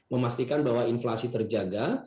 memastikan bahwa inflasi terjaga